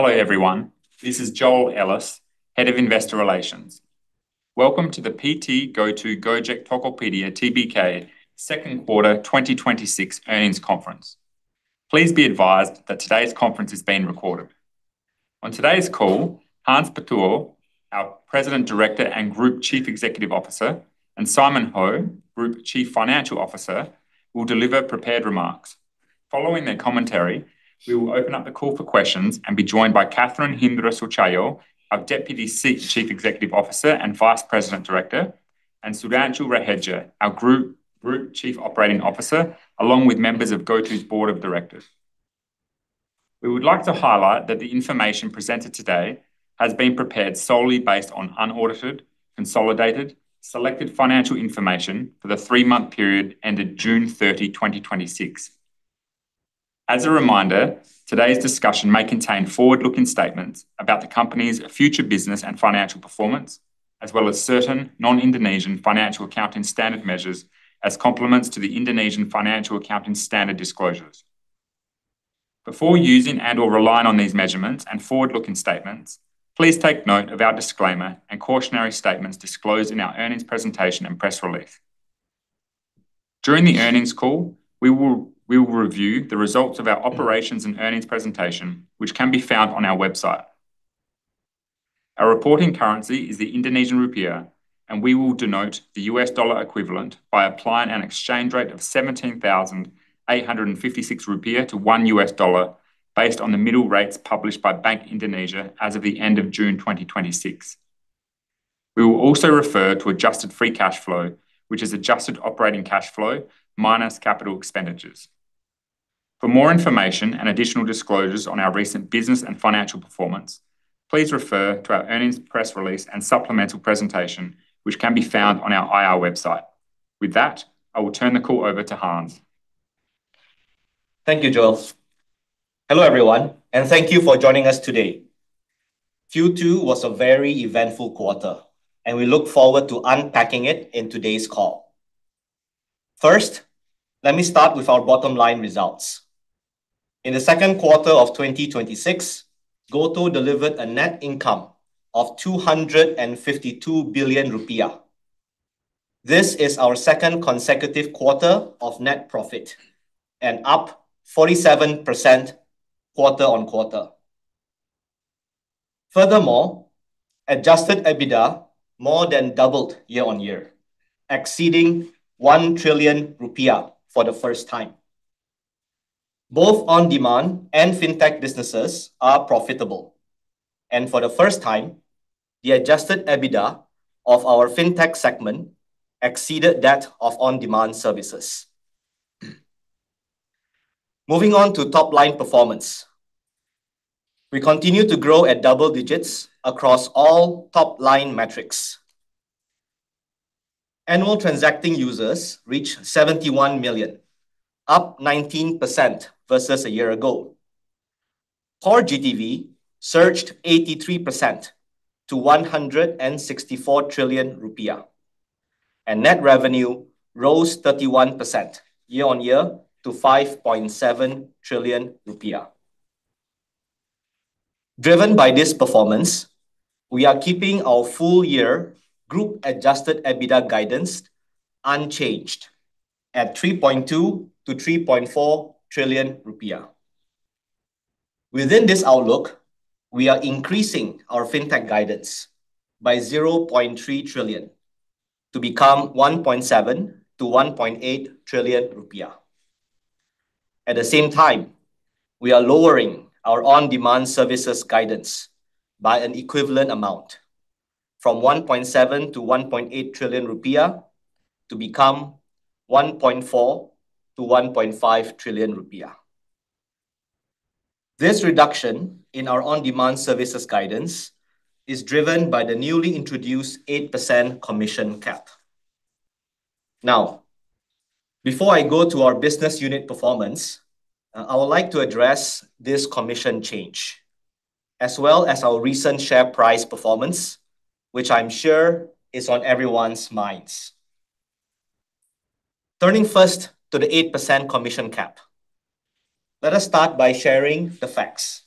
Hello, everyone. This is Joel Ellis, Head of Investor Relations. Welcome to the PT GoTo Gojek Tokopedia Tbk Second Quarter 2026 Earnings Conference. Please be advised that today's conference is being recorded. On today's call, Hans Patuwo, our President Director and Group Chief Executive Officer, and Simon Ho, Group Chief Financial Officer, will deliver prepared remarks. Following their commentary, we will open up the call for questions and be joined by Catherine Hindra Sutjahyo, our Deputy Chief Executive Officer and Vice President Director, and Sudhanshu Raheja, our Group Chief Operating Officer, along with members of GoTo's board of directors. We would like to highlight that the information presented today has been prepared solely based on unaudited, consolidated, selected financial information for the three-month period ended June 30, 2026. As a reminder, today's discussion may contain forward-looking statements about the company's future business and financial performance, as well as certain non-Indonesian financial accounting standard measures as complements to the Indonesian financial accounting standard disclosures. Before using and/or relying on these measurements and forward-looking statements, please take note of our disclaimer and cautionary statements disclosed in our earnings presentation and press release. During the earnings call, we will review the results of our operations and earnings presentation, which can be found on our website. Our reporting currency is the Indonesian Rupiah, and we will denote the US dollar equivalent by applying an exchange rate of 17,856 rupiah to one US dollar, based on the middle rates published by Bank Indonesia as of the end of June 2026. We will also refer to adjusted free cash flow, which is adjusted operating cash flow minus capital expenditures. For more information and additional disclosures on our recent business and financial performance, please refer to our earnings press release and supplemental presentation, which can be found on our IR website. With that, I will turn the call over to Hans. Thank you, Joel. Hello, everyone, and thank you for joining us today. Q2 was a very eventful quarter, and we look forward to unpacking it in today's call. First, let me start with our bottom-line results. In the second quarter of 2026, GoTo delivered a net income of 252 billion rupiah. This is our second consecutive quarter of net profit and up 47% quarter-on-quarter. Furthermore, adjusted EBITDA more than doubled year-on-year, exceeding one trillion rupiah for the first time. Both on-demand and fintech businesses are profitable, and for the first time, the adjusted EBITDA of our fintech segment exceeded that of on-demand services. Moving on to top-line performance. We continue to grow at double digits across all top-line metrics. Annual transacting users reached 71 million, up 19% versus a year ago. Core GTV surged 83% to 164 trillion rupiah, and net revenue rose 31% year-on-year to 5.7 trillion rupiah. Driven by this performance, we are keeping our full year group adjusted EBITDA guidance unchanged at 3.2 trillion-3.4 trillion rupiah. Within this outlook, we are increasing our fintech guidance by 0.3 trillion to become 1.7 trillion-1.8 trillion rupiah. At the same time, we are lowering our on-demand services guidance by an equivalent amount from 1.7 trillion-1.8 trillion rupiah to become 1.4 trillion-1.5 trillion rupiah. This reduction in our on-demand services guidance is driven by the newly introduced 8% commission cap. Before I go to our business unit performance, I would like to address this commission change, as well as our recent share price performance, which I'm sure is on everyone's minds. Turning first to the 8% commission cap, let us start by sharing the facts.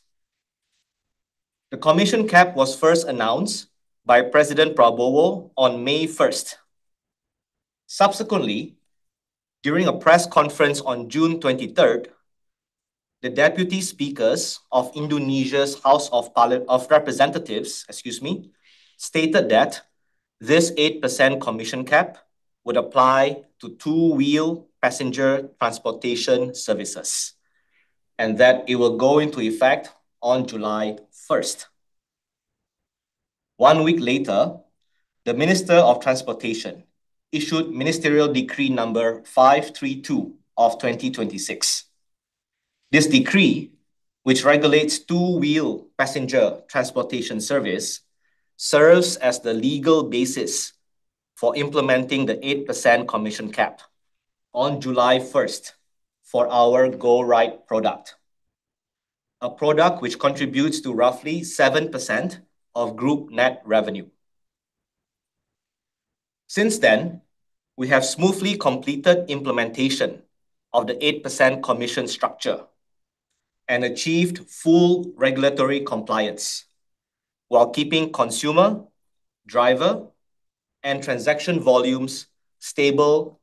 The commission cap was first announced by President Prabowo on May 1st. Subsequently, during a press conference on June 23rd, the deputy speakers of Indonesia's House of Representatives, excuse me, stated that this 8% commission cap would apply to two-wheel passenger transportation services, and that it will go into effect on July 1st. One week later, the Minister of Transportation issued Ministerial Decree No. 532 of 2026. This decree, which regulates two-wheel passenger transportation service, serves as the legal basis for implementing the 8% commission cap on July 1st for our GoRide product, a product which contributes to roughly 7% of group net revenue. Since then, we have smoothly completed implementation of the 8% commission structure and achieved full regulatory compliance while keeping consumer, driver, and transaction volumes stable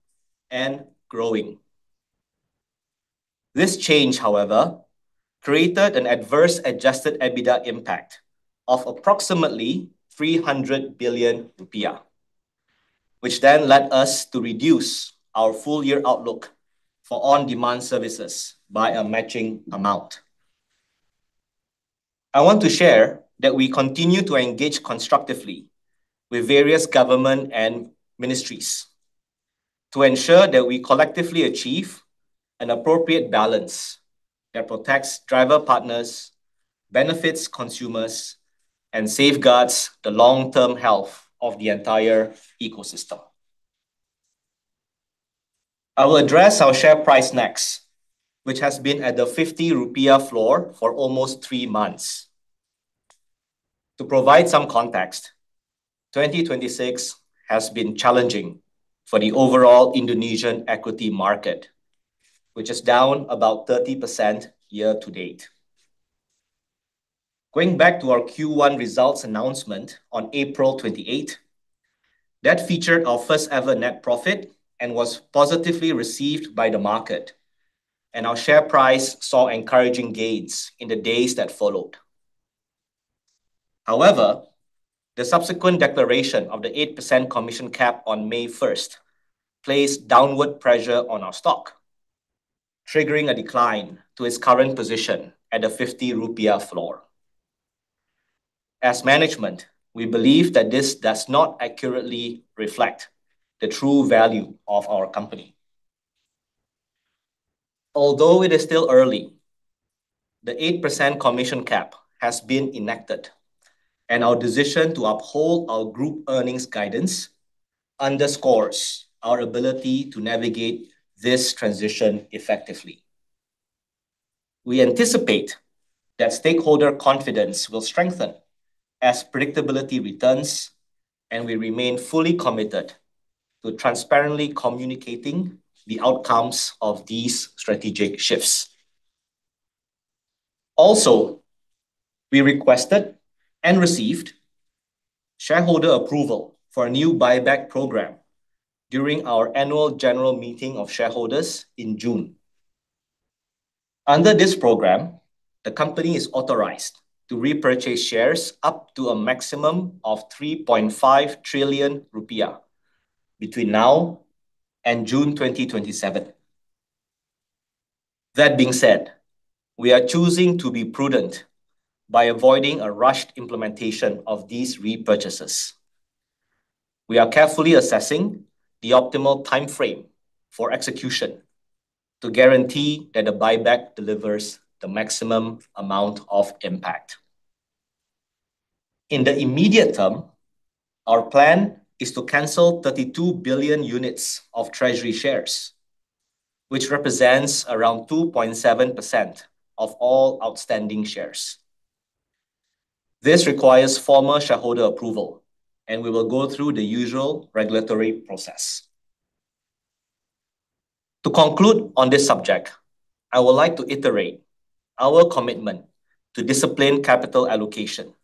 and growing. This change, however, created an adverse adjusted EBITDA impact of approximately 300 billion rupiah, which then led us to reduce our full year outlook for on-demand services by a matching amount. I want to share that we continue to engage constructively with various government and ministries to ensure that we collectively achieve an appropriate balance that protects driver partners, benefits consumers, and safeguards the long-term health of the entire ecosystem. I will address our share price next, which has been at the 30 rupiah floor for almost three months. To provide some context, 2026 has been challenging for the overall Indonesian equity market, which is down about 30% year-to-date. Going back to our Q1 results announcement on April 28, that featured our first-ever net profit and was positively received by the market, and our share price saw encouraging gains in the days that followed. The subsequent declaration of the 8% commission cap on May 1st placed downward pressure on our stock, triggering a decline to its current position at the 30 rupiah floor. As management, we believe that this does not accurately reflect the true value of our company. Although it is still early, the 8% commission cap has been enacted, and our decision to uphold our group earnings guidance underscores our ability to navigate this transition effectively. We anticipate that stakeholder confidence will strengthen as predictability returns, and we remain fully committed to transparently communicating the outcomes of these strategic shifts. We requested and received shareholder approval for a new buyback program during our annual general meeting of shareholders in June. Under this program, the company is authorized to repurchase shares up to a maximum of 3.5 trillion rupiah between now and June 2027. That being said, we are choosing to be prudent by avoiding a rushed implementation of these repurchases. We are carefully assessing the optimal timeframe for execution to guarantee that the buyback delivers the maximum amount of impact. In the immediate term, our plan is to cancel 32 billion units of treasury shares, which represents around 2.7% of all outstanding shares. This requires former shareholder approval, we will go through the usual regulatory process. To conclude on this subject, I would like to reiterate our commitment to discipline capital allocation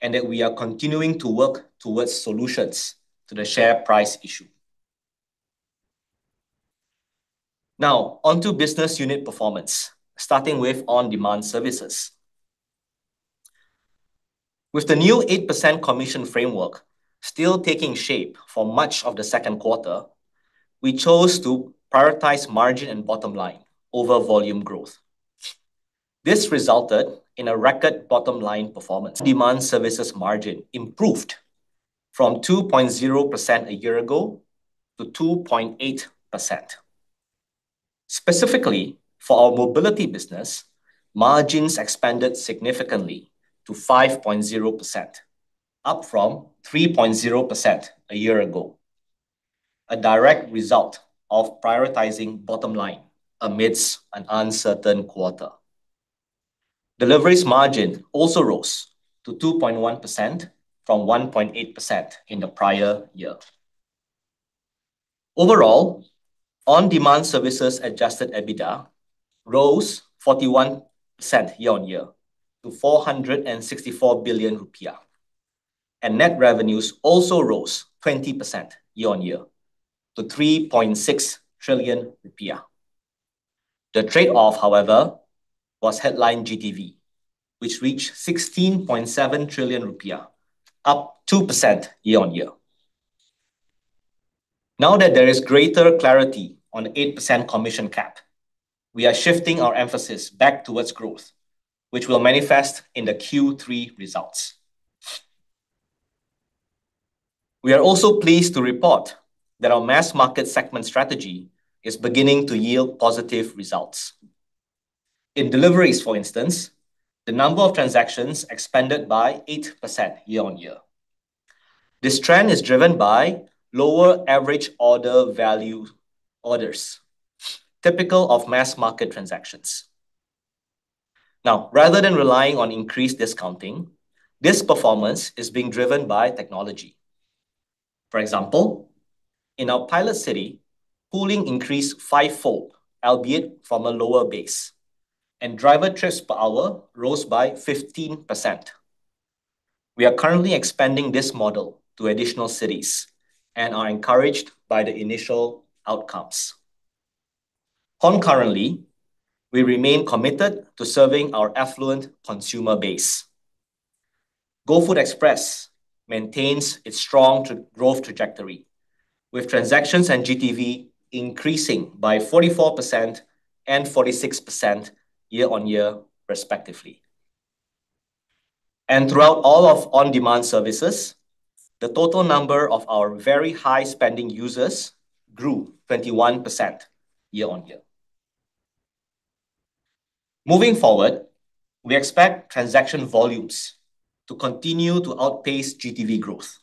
and that we are continuing to work towards solutions to the share price issue. On to business unit performance, starting with on-demand services. With the new 8% commission framework still taking shape for much of the second quarter, we chose to prioritize margin and bottom line over volume growth. This resulted in a record bottom line performance. On-demand services margin improved from 2.0% a year ago to 2.8%. Specifically, for our mobility business, margins expanded significantly to 5.0%, up from 3.0% a year ago, a direct result of prioritizing bottom line amidst an uncertain quarter. Deliveries margin also rose to 2.1% from 1.8% in the prior year. Overall, on-demand services adjusted EBITDA rose 41% year-on-year to 464 billion rupiah. Net revenues also rose 20% year-on-year to 3.6 trillion rupiah. The trade-off, however, was headline GTV, which reached 16.7 trillion rupiah, up 2% year-on-year. That there is greater clarity on 8% commission cap, we are shifting our emphasis back towards growth, which will manifest in the Q3 results. We are also pleased to report that our mass market segment strategy is beginning to yield positive results. In deliveries, for instance, the number of transactions expanded by 8% year-on-year. This trend is driven by lower average order value orders, typical of mass market transactions. Rather than relying on increased discounting, this performance is being driven by technology. For example, in our pilot city, pooling increased fivefold, albeit from a lower base, and driver trips per hour rose by 15%. We are currently expanding this model to additional cities and are encouraged by the initial outcomes. Concurrently, we remain committed to serving our affluent consumer base. GoFood Express maintains its strong growth trajectory with transactions and GTV increasing by 44% and 46% year-on-year, respectively. Throughout all of on-demand services, the total number of our very high spending users grew 21% year-on-year. Moving forward, we expect transaction volumes to continue to outpace GTV growth.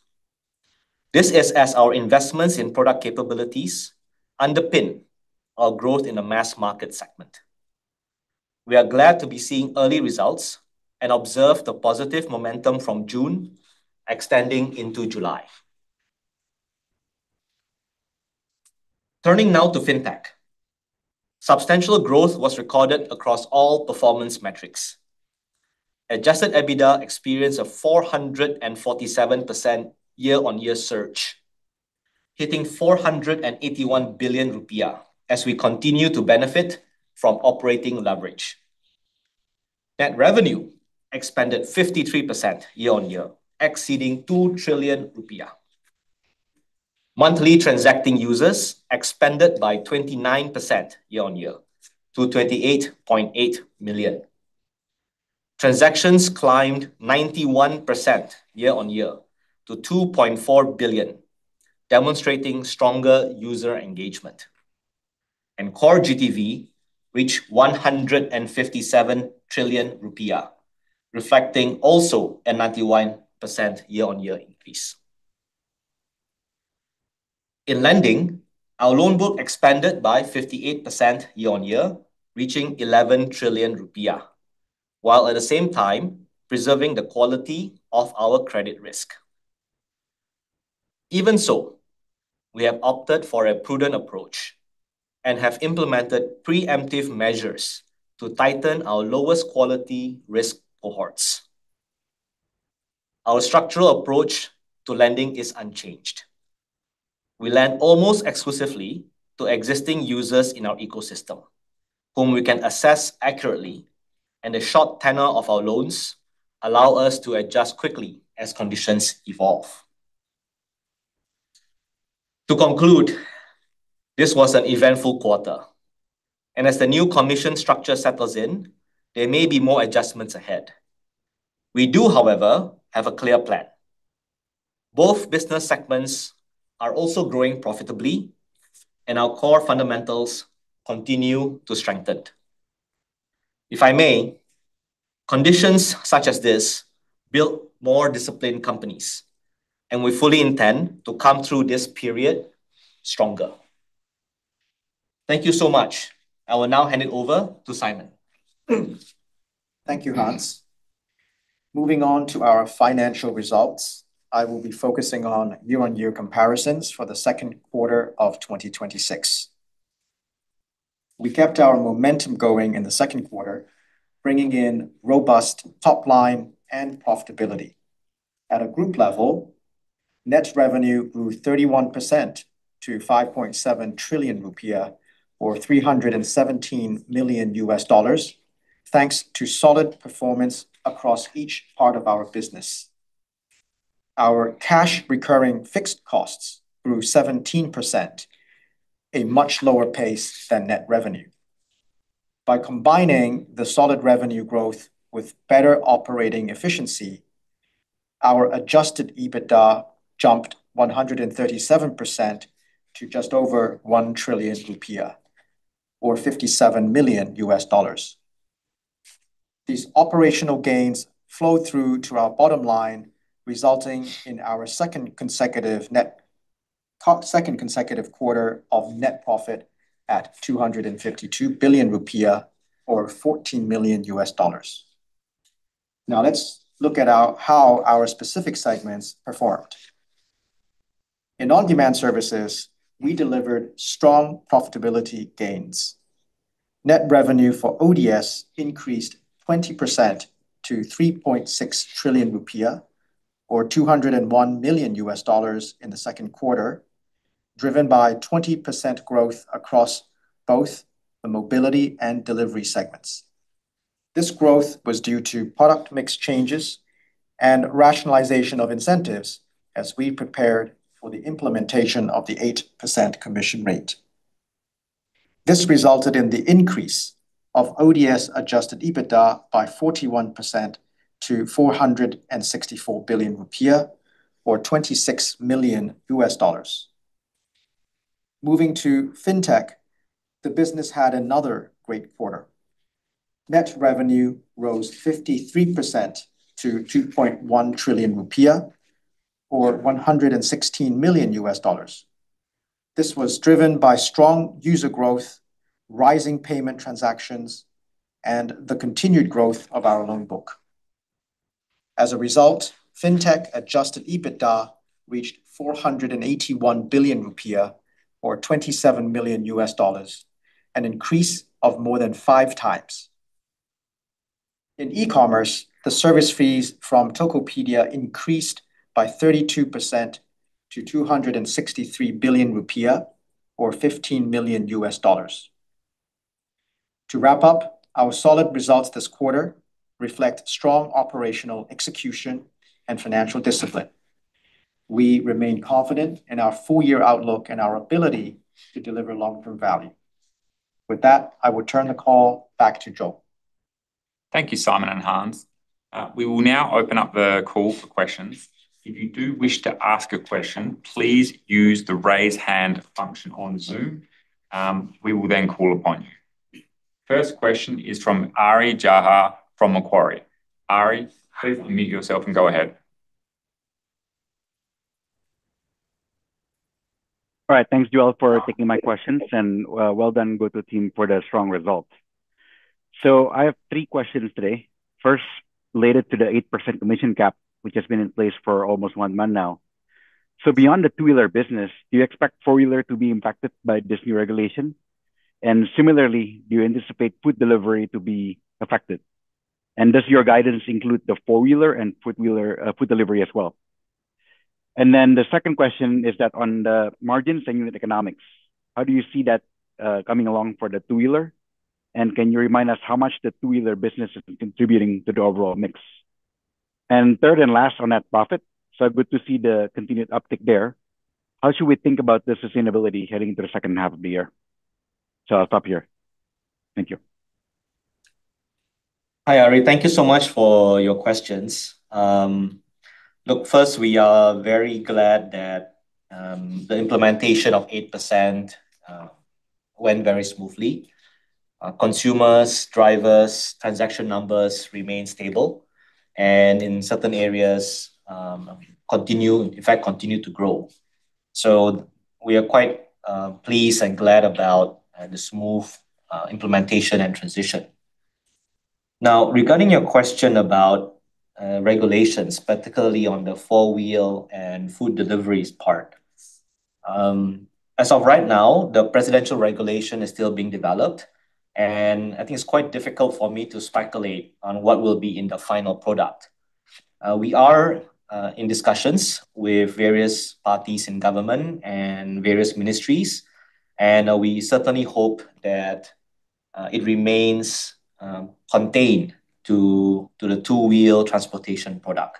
This is as our investments in product capabilities underpin our growth in the mass market segment. We are glad to be seeing early results and observe the positive momentum from June extending into July. Turning to fintech. Substantial growth was recorded across all performance metrics. Adjusted EBITDA experienced a 447% year-on-year surge, hitting 481 billion rupiah, as we continue to benefit from operating leverage. Net revenue expanded 53% year-on-year, exceeding IDR 2 trillion. Monthly transacting users expanded by 29% year-on-year to 28.8 million. Transactions climbed 91% year-on-year to 2.4 billion, demonstrating stronger user engagement, and core GTV reached 157 trillion rupiah, reflecting also a 91% year-on-year increase. In lending, our loan book expanded by 58% year-on-year, reaching 11 trillion rupiah, while at the same time preserving the quality of our credit risk. Even so, we have opted for a prudent approach and have implemented preemptive measures to tighten our lowest quality risk cohorts. Our structural approach to lending is unchanged. We lend almost exclusively to existing users in our ecosystem whom we can assess accurately, and the short tenor of our loans allow us to adjust quickly as conditions evolve. To conclude, this was an eventful quarter, and as the new commission structure settles in, there may be more adjustments ahead. We do, however, have a clear plan. Both business segments are also growing profitably, and our core fundamentals continue to strengthen. If I may, conditions such as this build more disciplined companies, and we fully intend to come through this period stronger. Thank you so much. I will now hand it over to Simon. Thank you, Hans. Moving on to our financial results, I will be focusing on year-on-year comparisons for the second quarter of 2026. We kept our momentum going in the second quarter, bringing in robust top line and profitability. At a group level, net revenue grew 31% to 5.7 trillion rupiah, or $317 million, thanks to solid performance across each part of our business. Our cash recurring fixed costs grew 17%, a much lower pace than net revenue. By combining the solid revenue growth with better operating efficiency, our adjusted EBITDA jumped 137% to just over 1 trillion rupiah, or $57 million. These operational gains flow through to our bottom line, resulting in our second consecutive quarter of net profit at 252 billion rupiah, or $14 million. Let's look at how our specific segments performed. In on-demand services, we delivered strong profitability gains. Net revenue for ODS increased 20% to 3.6 trillion rupiah, or $201 million in the second quarter, driven by 20% growth across both the mobility and delivery segments. This growth was due to product mix changes and rationalization of incentives as we prepared for the implementation of the 8% commission rate. This resulted in the increase of ODS adjusted EBITDA by 41% to 464 billion rupiah, or $26 million. Moving to fintech, the business had another great quarter. Net revenue rose 53% to 2.1 trillion rupiah, or $116 million. This was driven by strong user growth, rising payment transactions, and the continued growth of our loan book. As a result, fintech-adjusted EBITDA reached 481 billion rupiah, or $27 million, an increase of more than five times. In e-commerce, the service fees from Tokopedia increased by 32% to 263 billion rupiah, or $15 million. To wrap up, our solid results this quarter reflect strong operational execution and financial discipline. We remain confident in our full-year outlook and our ability to deliver long-term value. With that, I will turn the call back to Joel. Thank you, Simon and Hans. We will now open up the call for questions. If you do wish to ask a question, please use the raise hand function on Zoom. We will call upon you. First question is from Ari Jahja from Macquarie. Ari, please unmute yourself and go ahead. All right. Thanks, Joel, for taking my questions, and well done, GoTo team, for the strong results. I have three questions today. First, related to the 8% commission cap, which has been in place for almost one month now. Beyond the two-wheeler business, do you expect four-wheeler to be impacted by this new regulation? Similarly, do you anticipate food delivery to be affected? Does your guidance include the four-wheeler and food delivery as well? The second question is that on the margins and unit economics, how do you see that coming along for the two-wheeler? Can you remind us how much the two-wheeler business is contributing to the overall mix? Third and last on net profit, good to see the continued uptick there. How should we think about the sustainability heading into the second half of the year? I'll stop here. Thank you. Hi, Ari. Thank you so much for your questions. Look, first, we are very glad that the implementation of 8% went very smoothly. Consumers, drivers, transaction numbers remain stable, and in certain areas, in fact, continue to grow. We are quite pleased and glad about the smooth implementation and transition. Now, regarding your question about regulations, particularly on the four-wheel and food deliveries part. As of right now, the presidential regulation is still being developed, and I think it's quite difficult for me to speculate on what will be in the final product. We are in discussions with various parties in government and various ministries, and we certainly hope that it remains contained to the two-wheel transportation product.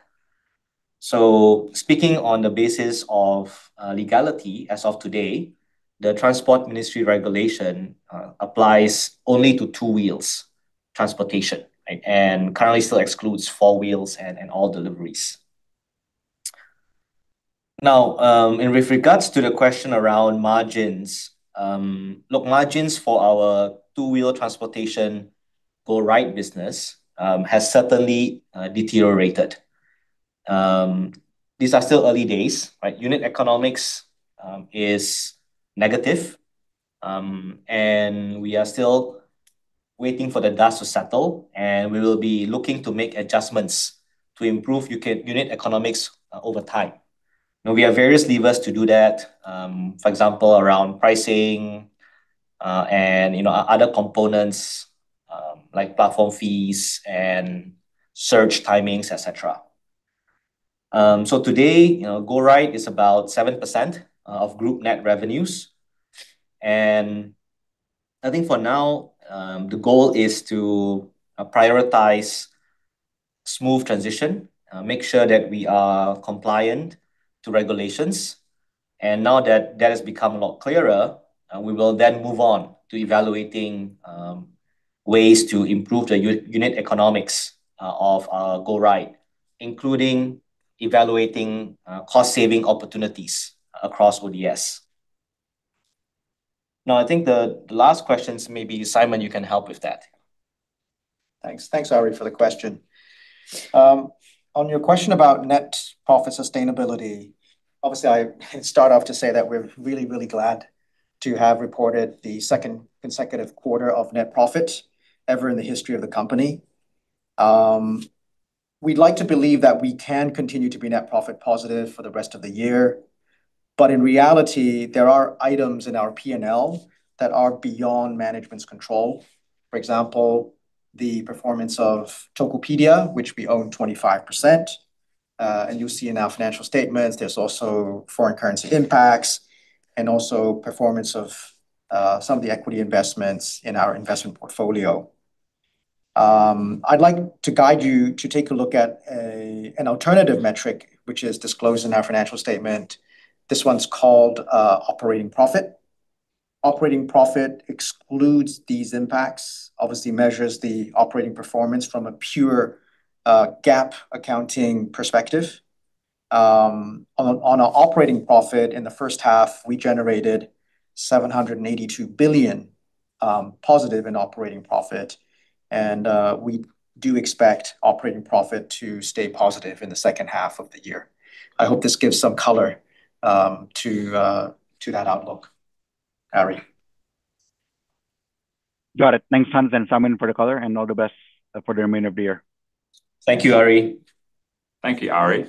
Speaking on the basis of legality, as of today, the transport ministry regulation applies only to two wheels transportation, and currently still excludes four wheels and all deliveries. Now, and with regards to the question around margins. Look, margins for our two-wheel transportation GoRide business has certainly deteriorated. These are still early days, right? Unit economics is negative, and we are still waiting for the dust to settle, and we will be looking to make adjustments to improve unit economics over time. Now, we have various levers to do that, for example, around pricing, and other components, like platform fees and surge timings, et cetera. Today, GoRide is about 7% of group net revenues, and I think for now, the goal is to prioritize smooth transition, make sure that we are compliant to regulations, and now that that has become a lot clearer, we will then move on to evaluating ways to improve the unit economics of GoRide, including evaluating cost-saving opportunities across ODS. Now, I think the last questions, maybe, Simon, you can help with that. Thanks, Ari, for the question. On your question about net profit sustainability, obviously, I start off to say that we're really, really glad to have reported the second consecutive quarter of net profit ever in the history of the company. We'd like to believe that we can continue to be net profit positive for the rest of the year, but in reality, there are items in our P&L that are beyond management's control. For example, the performance of Tokopedia, which we own 25%, and you see in our financial statements, there's also foreign currency impacts and also performance of some of the equity investments in our investment portfolio. I'd like to guide you to take a look at an alternative metric, which is disclosed in our financial statement. This one's called operating profit. Operating profit excludes these impacts, obviously measures the operating performance from a pure GAAP accounting perspective. On our operating profit in the first half, we generated 782 billion positive in operating profit, and we do expect operating profit to stay positive in the second half of the year. I hope this gives some color to that outlook. Ari. Got it. Thanks, Hans and Simon, for the color, and all the best for the remainder of the year. Thank you, Ari. Thank you, Ari.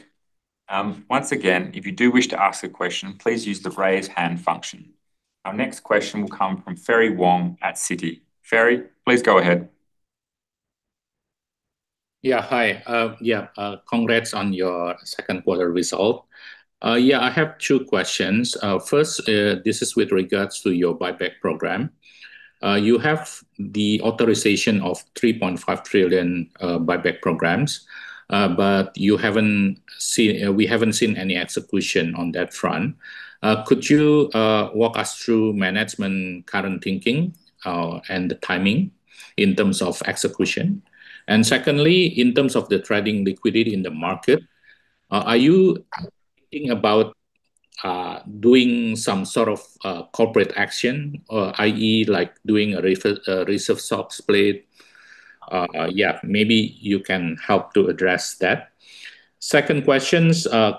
Once again, if you do wish to ask a question, please use the raise hand function. Our next question will come from Ferry Wong at Citi. Ferry, please go ahead. Yeah. Hi. Congrats on your second quarter result. I have two questions. First, this is with regards to your buyback program. You have the authorization of 3.5 trillion buyback programs, but we haven't seen any execution on that front. Could you walk us through management current thinking, and the timing in terms of execution? Secondly, in terms of the trading liquidity in the market, are you thinking about doing some sort of corporate action, i.e., doing a reverse stock split? Maybe you can help to address that. Second question,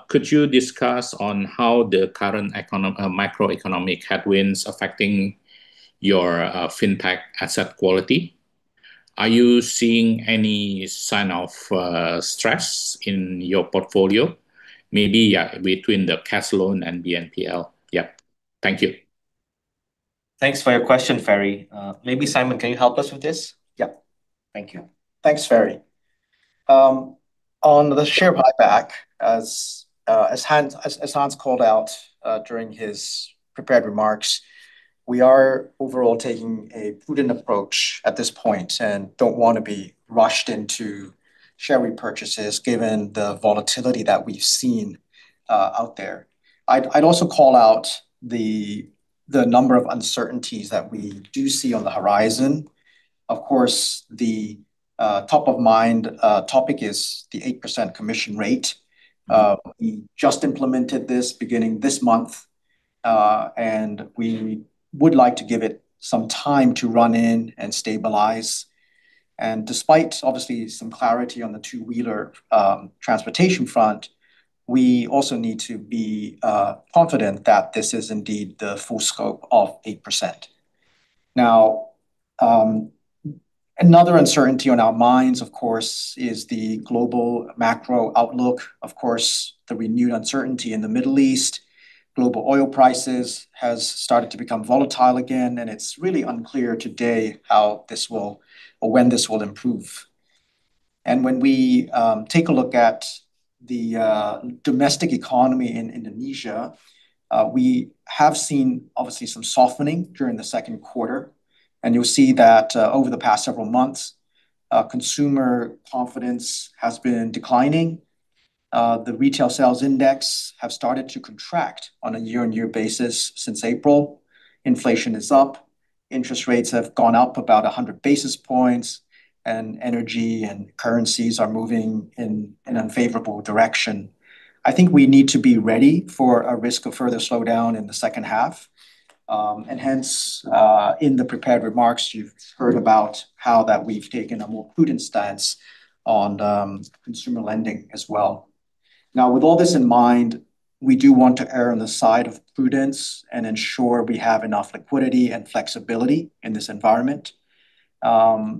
could you discuss on how the current macroeconomic headwinds affecting your fintech asset quality? Are you seeing any sign of stress in your portfolio? Maybe between the cash loan and BNPL. Thank you. Thanks for your question, Ferry. Maybe Simon, can you help us with this? Thank you. Thanks, Ferry. On the share buyback, as Hans called out during his prepared remarks, we are overall taking a prudent approach at this point and don't want to be rushed into share repurchases given the volatility that we've seen out there. I'd also call out the number of uncertainties that we do see on the horizon. Of course, the top of mind topic is the 8% commission cap. We just implemented this beginning this month, and we would like to give it some time to run in and stabilize. Despite obviously some clarity on the two-wheeler transportation front, we also need to be confident that this is indeed the full scope of 8%. Another uncertainty on our minds, of course, is the global macro outlook. Of course, the renewed uncertainty in the Middle East. Global oil prices has started to become volatile again, and it's really unclear today how this will, or when this will improve. When we take a look at the domestic economy in Indonesia, we have seen obviously some softening during the second quarter. You'll see that over the past several months, consumer confidence has been declining. The retail sales index have started to contract on a year-on-year basis since April. Inflation is up, interest rates have gone up about 100 basis points, and energy and currencies are moving in an unfavorable direction. I think we need to be ready for a risk of further slowdown in the second half. Hence, in the prepared remarks, you've heard about how that we've taken a more prudent stance on consumer lending as well. With all this in mind, we do want to err on the side of prudence and ensure we have enough liquidity and flexibility in this environment. As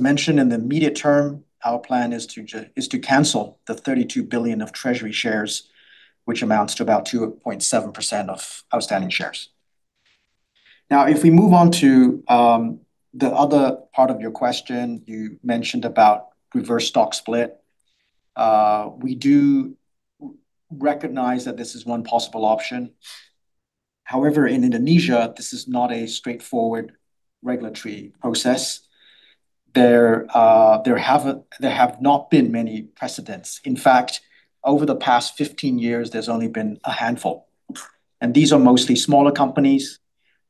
mentioned, in the immediate term, our plan is to cancel the 32 billion of treasury shares, which amounts to about 2.7% of outstanding shares. If we move on to the other part of your question, you mentioned about reverse stock split. We do recognize that this is one possible option. However, in Indonesia, this is not a straightforward regulatory process. There have not been many precedents. In fact, over the past 15 years, there's only been a handful, and these are mostly smaller companies,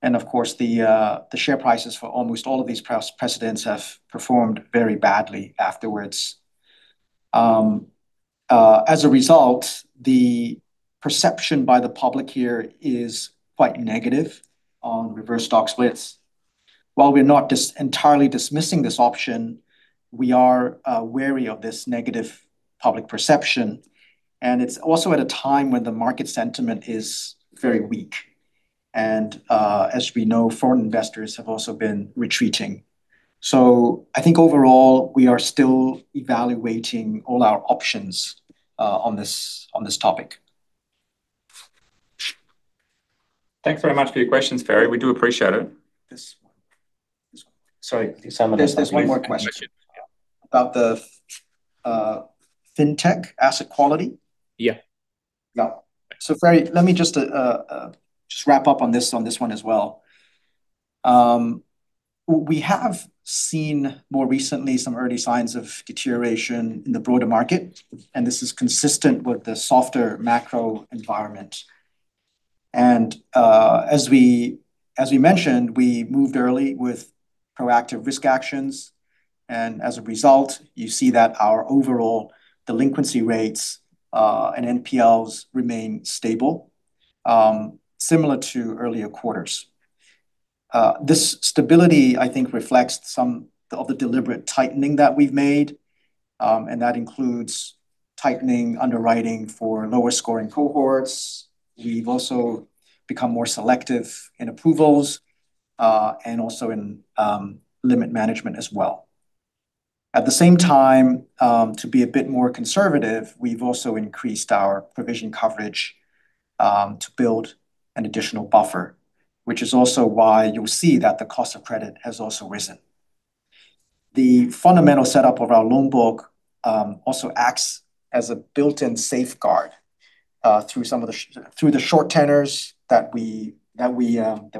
and of course, the share prices for almost all of these precedents have performed very badly afterwards. As a result, the perception by the public here is quite negative on reverse stock splits. While we're not entirely dismissing this option, we are wary of this negative public perception, and it's also at a time when the market sentiment is very weak. As we know, foreign investors have also been retreating. I think overall, we are still evaluating all our options on this topic. Thanks very much for your questions, Ferry. We do appreciate it. This one. Sorry, Simon. There's one more question about the fintech asset quality. Yeah. Ferry, let me just wrap up on this one as well. We have seen more recently some early signs of deterioration in the broader market, and this is consistent with the softer macro environment. As we mentioned, we've moved early with proactive risk actions. As a result, you see that our overall delinquency rates and NPLs remain stable, similar to earlier quarters. This stability, I think, reflects some of the deliberate tightening that we've made, and that includes tightening underwriting for lower scoring cohorts. We've also become more selective in approvals, and also in limit management as well. At the same time, to be a bit more conservative, we've also increased our provision coverage to build an additional buffer, which is also why you'll see that the cost of credit has also risen. The fundamental setup of our loan book also acts as a built-in safeguard, through the short tenors that we have,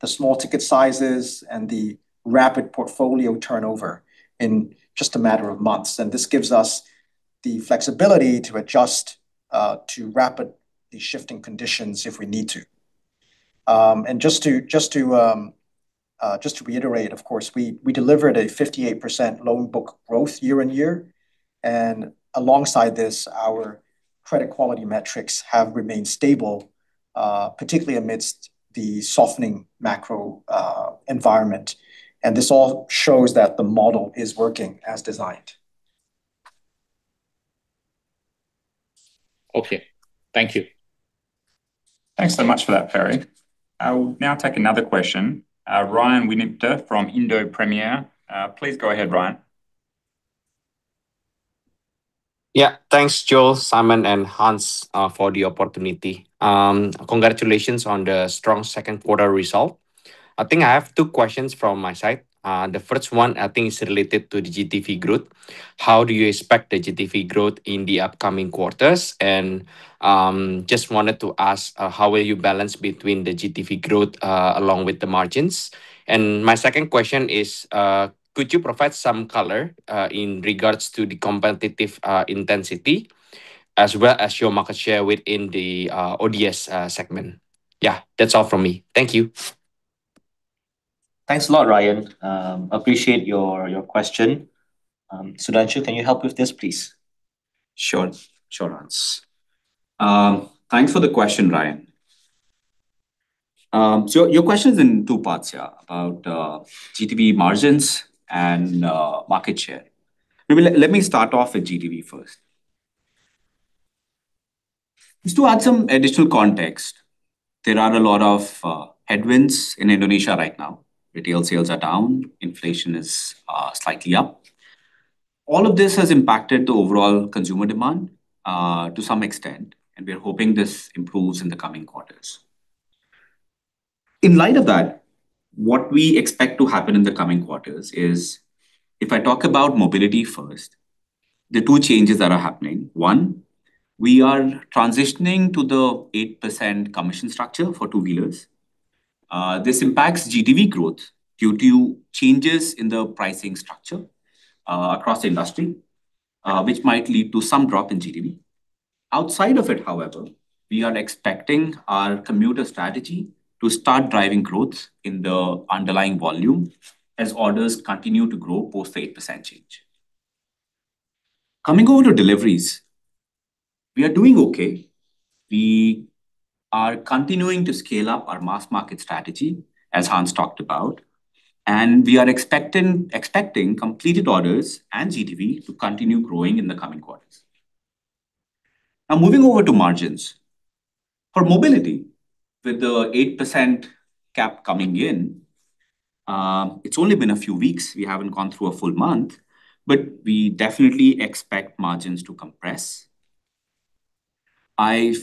the small ticket sizes, and the rapid portfolio turnover in just a matter of months. This gives us the flexibility to adjust to rapidly shifting conditions if we need to. Just to reiterate, of course, we delivered a 58% loan book growth year-on-year, and alongside this, our credit quality metrics have remained stable, particularly amidst the softening macro environment. This all shows that the model is working as designed. Okay. Thank you. Thanks so much for that, Ferry. I will now take another question. Ryan Winipta from Indo Premier. Please go ahead, Ryan. Thanks, Joel, Simon, and Hans, for the opportunity. Congratulations on the strong second quarter result. I think I have two questions from my side. The first one I think is related to the GTV growth. How do you expect the GTV growth in the upcoming quarters? Just wanted to ask, how will you balance between the GTV growth, along with the margins? My second question is, could you provide some color in regards to the competitive intensity as well as your market share within the ODS segment? Yeah. That's all from me. Thank you. Thanks a lot, Ryan. Appreciate your question. Sudhanshu, can you help with this, please? Sure, Hans. Thanks for the question, Ryan. Your question's in two parts, yeah, about GTV margins and market share. Let me start off with GTV first. Just to add some additional context, there are a lot of headwinds in Indonesia right now. Retail sales are down, inflation is slightly up. All of this has impacted the overall consumer demand, to some extent, and we are hoping this improves in the coming quarters. In light of that, what we expect to happen in the coming quarters is, if I talk about mobility first, there are two changes that are happening. One, we are transitioning to the 8% commission structure for two-wheelers. This impacts GTV growth due to changes in the pricing structure across the industry, which might lead to some drop in GTV. Outside of it, however, we are expecting our commuter strategy to start driving growth in the underlying volume as orders continue to grow post the 8% change. Coming over to deliveries, we are doing okay. We are continuing to scale up our mass market strategy, as Hans talked about. We are expecting completed orders and GTV to continue growing in the coming quarters. Moving over to margins. For mobility, with the 8% cap coming in, it's only been a few weeks. We haven't gone through a full month, but we definitely expect margins to compress. I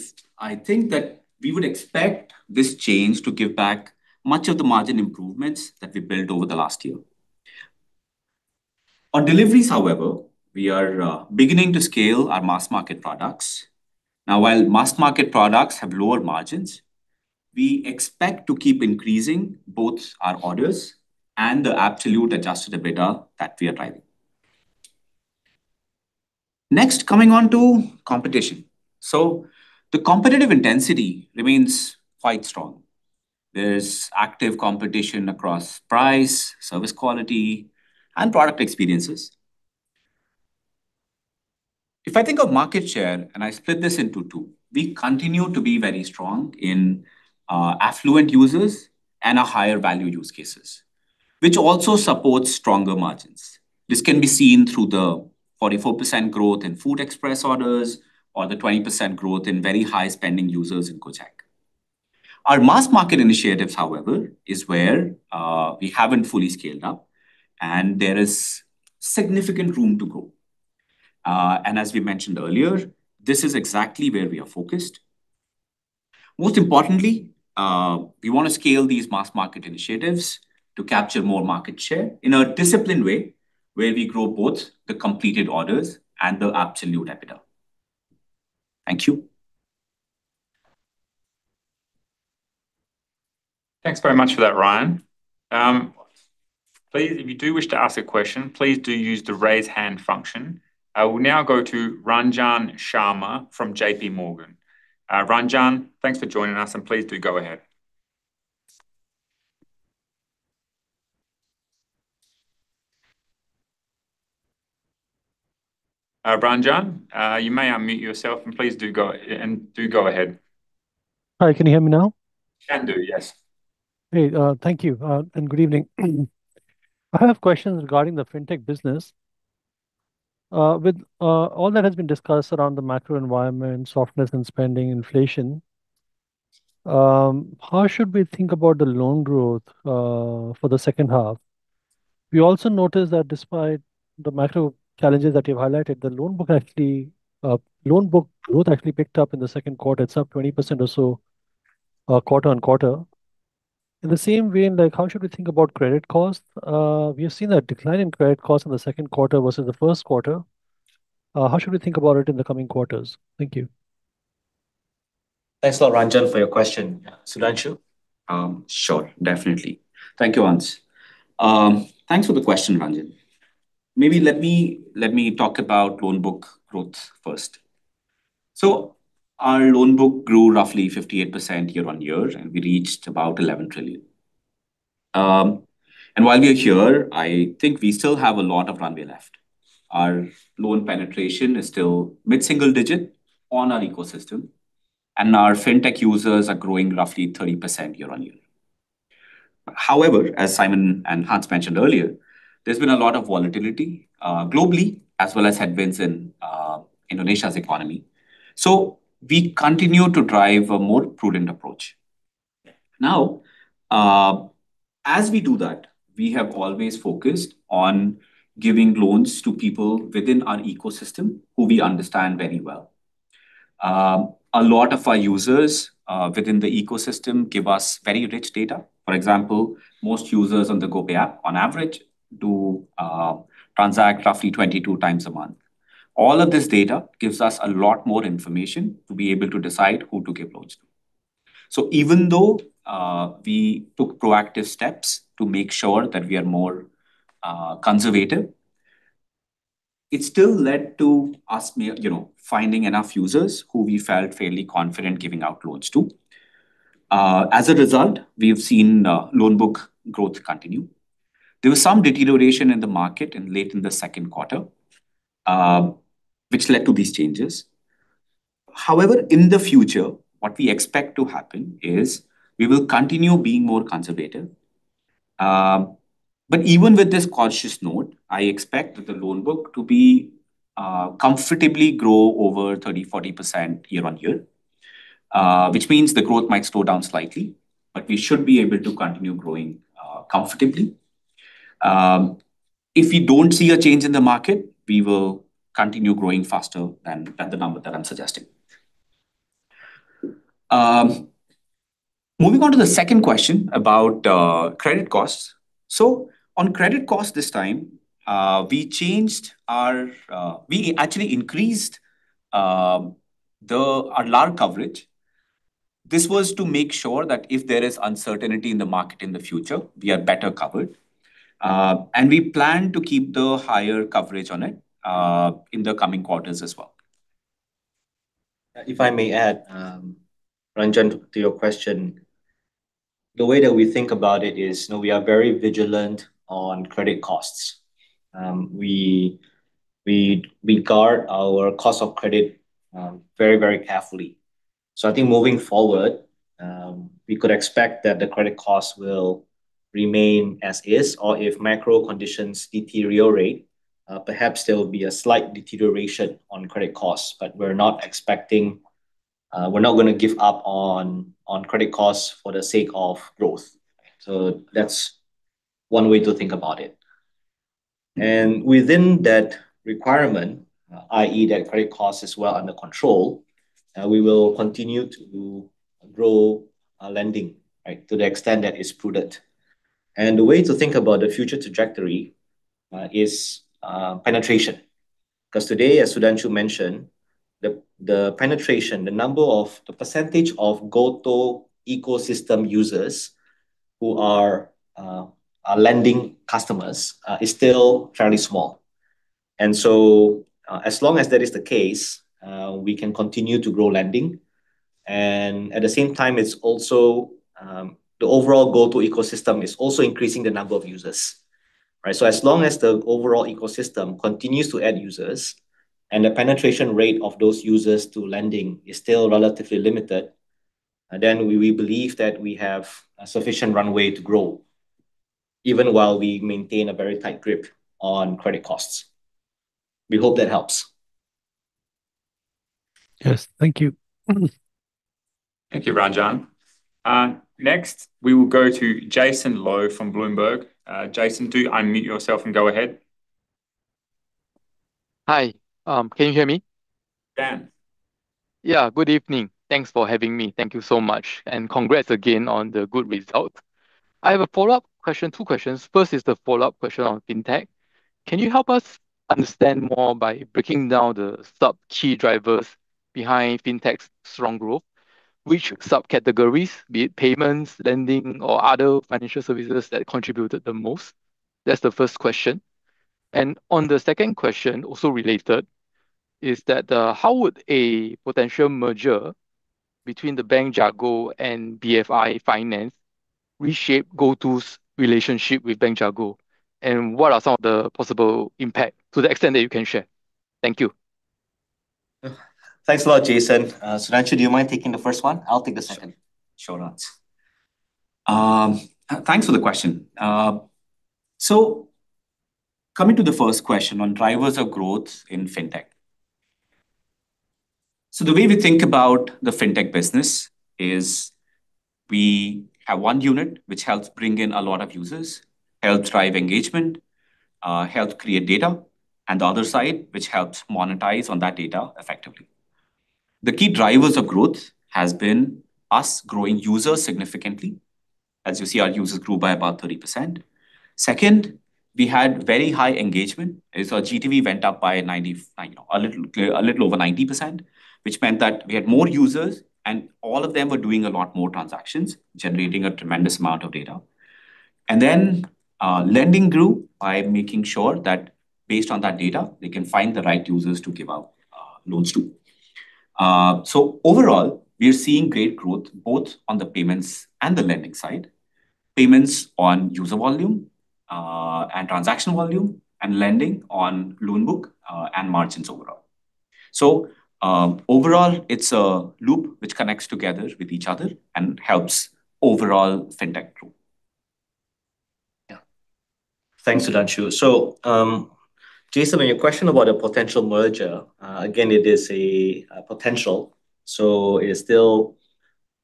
think that we would expect this change to give back much of the margin improvements that we built over the last year. On deliveries, however, we are beginning to scale our mass market products. While mass market products have lower margins, we expect to keep increasing both our orders and the absolute adjusted EBITDA that we are driving. Coming on to competition. The competitive intensity remains quite strong. There is active competition across price, service quality, and product experiences. If I think of market share, and I split this into two, we continue to be very strong in affluent users and our higher value use cases, which also supports stronger margins. This can be seen through the 44% growth in GoFood Express orders or the 20% growth in very high spending users in Gojek. Our mass market initiatives, however, is where we haven't fully scaled up, and there is significant room to grow. As we mentioned earlier, this is exactly where we are focused. Most importantly, we want to scale these mass market initiatives to capture more market share in a disciplined way, where we grow both the completed orders and the absolute EBITDA. Thank you. Thanks very much for that, Ryan. If you do wish to ask a question, please do use the raise hand function. I will now go to Ranjan Sharma from JPMorgan. Ranjan, thanks for joining us, and please do go ahead. Ranjan, you may unmute yourself, and please do go ahead. Hi, can you hear me now? Can do, yes. Great. Thank you, and good evening. I have questions regarding the fintech business. With all that has been discussed around the macro environment, softness in spending, inflation, how should we think about the loan growth for the second half? We also noticed that despite the macro challenges that you've highlighted, the loan book growth actually picked up in the second quarter. It is up 20% or so quarter-on-quarter. In the same vein, how should we think about credit costs? We have seen a decline in credit costs in the second quarter versus the first quarter. How should we think about it in the coming quarters? Thank you. Thanks a lot, Ranjan, for your question. Sudhanshu? Sure. Definitely. Thank you, Hans. Thanks for the question, Ranjan. Our loan book grew roughly 58% year-on-year, and we reached about 11 trillion. While we are here, I think we still have a lot of runway left. Our loan penetration is still mid-single digit on our ecosystem, and our fintech users are growing roughly 30% year-on-year. However, as Simon and Hans mentioned earlier, there has been a lot of volatility globally, as well as headwinds in Indonesia's economy. We continue to drive a more prudent approach. Now, as we do that, we have always focused on giving loans to people within our ecosystem who we understand very well. A lot of our users within the ecosystem give us very rich data. For example, most users on the GoPay app, on average, do transact roughly 22 times a month. All of this data gives us a lot more information to be able to decide who to give loans to. Even though we took proactive steps to make sure that we are more conservative, it still led to us finding enough users who we felt fairly confident giving out loans to. As a result, we have seen loan book growth continue. There was some deterioration in the market late in the second quarter, which led to these changes. In the future, what we expect to happen is we will continue being more conservative. Even with this cautious note, I expect the loan book to comfortably grow over 30%-40% year-on-year, which means the growth might slow down slightly, but we should be able to continue growing comfortably. If we don't see a change in the market, we will continue growing faster than the number that I'm suggesting. Moving on to the second question about credit costs. On credit costs this time, we actually increased our loss coverage. This was to make sure that if there is uncertainty in the market in the future, we are better covered. We plan to keep the higher coverage on it in the coming quarters as well. If I may add, Ranjan, to your question. The way that we think about it is, we are very vigilant on credit costs. We guard our cost of credit very carefully. I think moving forward, we could expect that the credit cost will remain as is, or if macro conditions deteriorate, perhaps there will be a slight deterioration on credit costs. We're not going to give up on credit costs for the sake of growth. That's one way to think about it. Within that requirement, i.e., that credit cost is well under control, we will continue to grow our lending, right, to the extent that is prudent. The way to think about the future trajectory is penetration. Today, as Sudhanshu mentioned, the penetration, the percentage of GoTo ecosystem users who are our lending customers is still fairly small. As long as that is the case, we can continue to grow lending and at the same time, the overall GoTo ecosystem is also increasing the number of users, right? As long as the overall ecosystem continues to add users and the penetration rate of those users to lending is still relatively limited, then we believe that we have a sufficient runway to grow, even while we maintain a very tight grip on credit costs. We hope that helps. Yes. Thank you. Thank you, Ranjan. Next, we will go to Jason Low from Bloomberg. Jason, do unmute yourself and go ahead. Hi. Can you hear me? Yes. Yeah. Good evening. Thanks for having me. Thank you so much, and congrats again on the good result. I have a follow-up question, two questions. First is the follow-up question on fintech. Can you help us understand more by breaking down the sub key drivers behind fintech's strong growth? Which subcategories, be it payments, lending, or other financial services that contributed the most? That's the first question. On the second question, also related is that how would a potential merger between the Bank Jago and BFI Finance reshape GoTo's relationship with Bank Jago? What are some of the possible impact to the extent that you can share? Thank you. Thanks a lot, Jason. Sudhanshu, do you mind taking the first one? I'll take the second. Sure, Hans. Thanks for the question. Coming to the first question on drivers of growth in fintech. The way we think about the fintech business is we have one unit which helps bring in a lot of users, helps drive engagement, helps create data, and the other side, which helps monetize on that data effectively. The key drivers of growth has been us growing users significantly. As you see, our users grew by about 30%. Second, we had very high engagement, our GTV went up by a little over 90%, which meant that we had more users, and all of them were doing a lot more transactions, generating a tremendous amount of data. Lending grew by making sure that based on that data, they can find the right users to give out loans to. Overall, we are seeing great growth both on the payments and the lending side, payments on user volume, and transaction volume, and lending on loan book, and margins overall. Overall, it's a loop which connects together with each other and helps overall fintech growth. Yeah. Thanks, Sudhanshu. Jason, on your question about a potential merger, again, it is a potential, it is still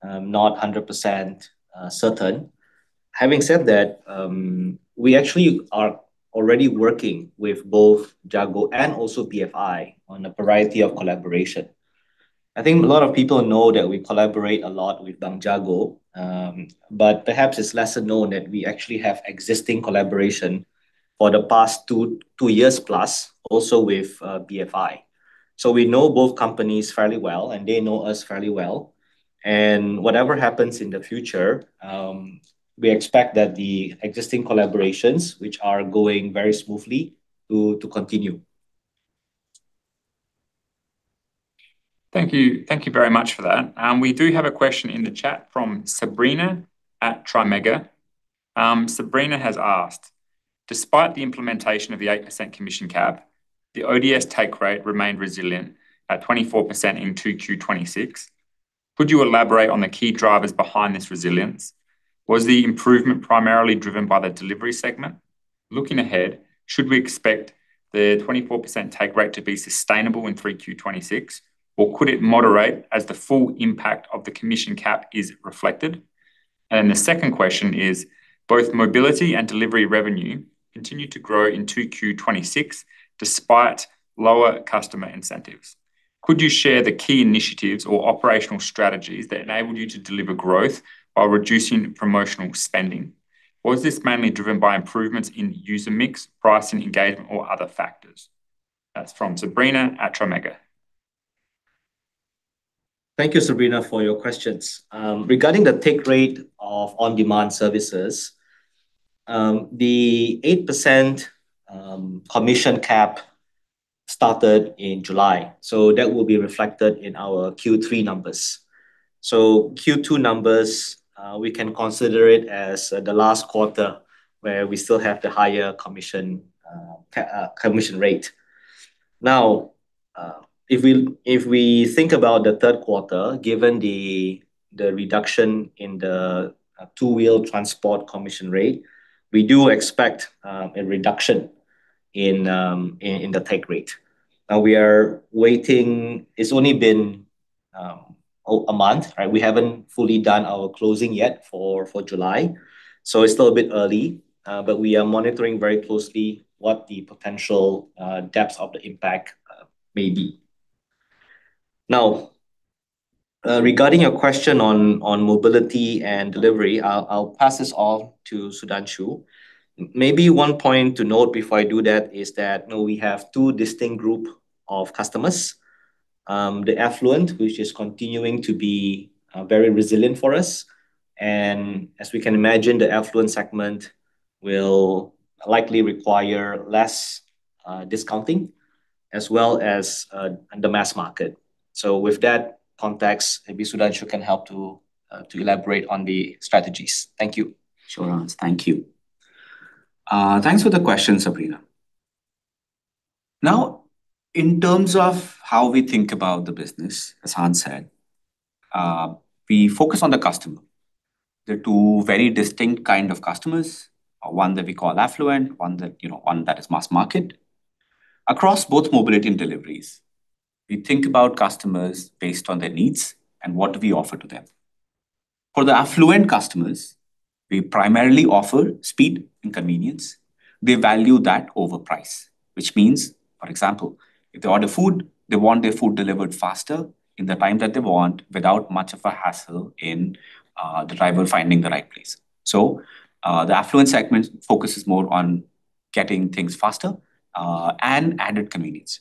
not 100% certain. Having said that, we actually are already working with both Jago and also BFI on a variety of collaboration. I think a lot of people know that we collaborate a lot with Bank Jago, but perhaps it's lesser known that we actually have existing collaboration for the past two years plus also with BFI. We know both companies fairly well, and they know us fairly well. Whatever happens in the future, we expect that the existing collaborations, which are going very smoothly, to continue. Thank you. Thank you very much for that. We do have a question in the chat from Sabrina at TriMega. Sabrina has asked, "Despite the implementation of the 8% commission cap, the ODS take rate remained resilient at 24% in 2Q 2026. Could you elaborate on the key drivers behind this resilience? Was the improvement primarily driven by the delivery segment? Looking ahead, should we expect the 24% take rate to be sustainable in 3Q 2026, or could it moderate as the full impact of the commission cap is reflected?" The second question is, "Both mobility and delivery revenue continued to grow in 2Q 2026 despite lower customer incentives. Could you share the key initiatives or operational strategies that enabled you to deliver growth while reducing promotional spending? Was this mainly driven by improvements in user mix, pricing, engagement, or other factors?" That is from Sabrina at TriMega. Thank you, Sabrina, for your questions. Regarding the take rate of on-demand services, the 8% commission cap started in July, so that will be reflected in our Q3 numbers. Q2 numbers, we can consider it as the last quarter where we still have the higher commission rate. If we think about the third quarter, given the reduction in the two-wheel transport commission rate, we do expect a reduction in the take rate. It has only been a month, right? We have not fully done our closing yet for July, so it is still a bit early. We are monitoring very closely what the potential depth of the impact may be. Regarding your question on mobility and delivery, I will pass this off to Sudhanshu. Maybe one point to note before I do that is that now we have two distinct group of customers, the affluent, which is continuing to be very resilient for us, and as we can imagine, the affluent segment will likely require less discounting as well as the mass market. With that context, maybe Sudhanshu can help to elaborate on the strategies. Thank you. Sure, Hans. Thank you. Thanks for the question, Sabrina. In terms of how we think about the business, as Hans said, we focus on the customer. There are two very distinct kind of customers, one that we call affluent, one that is mass market. Across both mobility and deliveries, we think about customers based on their needs and what do we offer to them. For the affluent customers, we primarily offer speed and convenience. They value that over price, which means, for example, if they order food, they want their food delivered faster in the time that they want without much of a hassle in the driver finding the right place. The affluent segment focuses more on getting things faster, and added convenience.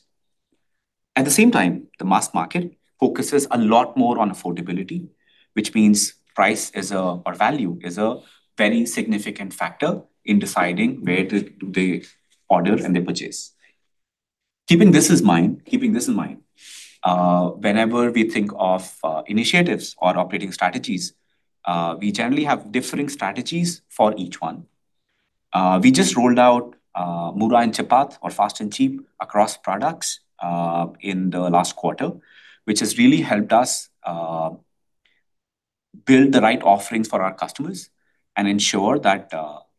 At the same time, the mass market focuses a lot more on affordability, which means price is or value is a very significant factor in deciding where do they order and they purchase. Keeping this in mind, whenever we think of initiatives or operating strategies, we generally have differing strategies for each one. We just rolled out Murah & Cepat or Fast & Cheap across products in the last quarter, which has really helped us build the right offerings for our customers and ensure that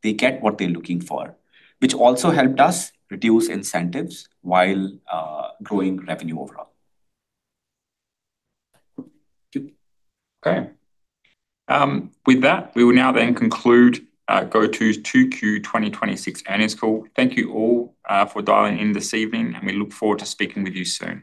they get what they're looking for, which also helped us reduce incentives while growing revenue overall. Okay. With that, we will now then conclude GoTo's 2Q 2026 earnings call. Thank you all for dialing in this evening, and we look forward to speaking with you soon